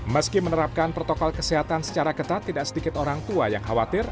meski menerapkan protokol kesehatan secara ketat tidak sedikit orang tua yang khawatir